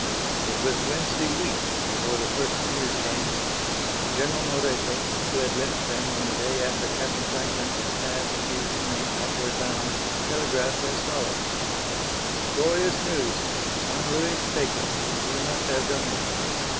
It was Wednesday week before the first news came. General Moreto, who had left them on the day after Captain Franklin had passed Cape Henry outward bound, telegraphed as follows: Glorious news; San Luis taken. We must have done it.